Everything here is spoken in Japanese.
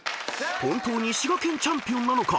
［本当に滋賀県チャンピオンなのか？